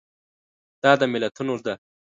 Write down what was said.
دا د ملتونو ده.